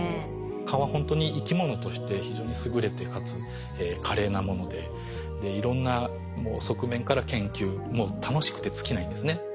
蚊はほんとに生き物として非常に優れてかつ華麗なものでいろんな側面から研究もう楽しくて尽きないんですね。